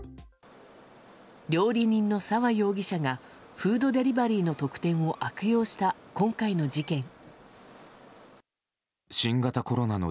料理人の沢容疑者がフードデリバリーの特典を悪用した今回の事件。